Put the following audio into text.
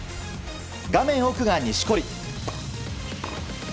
画面奥が錦織。